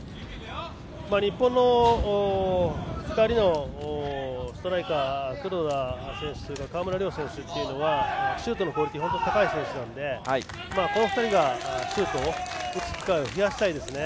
日本の２人のストライカー黒田選手と川村怜選手というのはシュートのクオリティーが高い選手なのでこの２人がシュートを打つ機会を増やしたいですね。